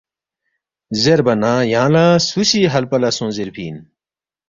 زیربا نہ ”یانگ لہ سُو سی ہلپہ لہ سونگ زیرفی اِن؟“